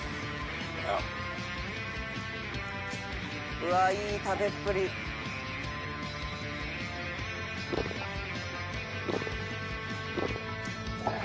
「うわーいい食べっぷり」ああー。